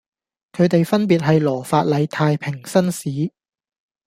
佢地分別係羅發禮太平紳士